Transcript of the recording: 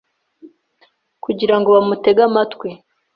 kugira ngo bamutege amatwi.